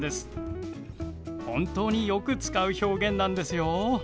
本当によく使う表現なんですよ。